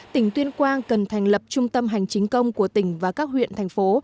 tỉnh tuyên quang cần thành lập trung tâm hành chính công của tỉnh và các huyện thành phố